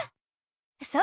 そう！